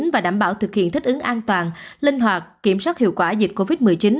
và đảm bảo thực hiện thích ứng an toàn linh hoạt kiểm soát hiệu quả dịch covid một mươi chín